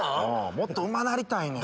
もっとうまくなりたいねん。